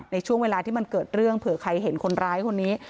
ในช่วงเวลาที่มันเกิดเรื่องเผื่อใครเห็นคนร้ายคนนี้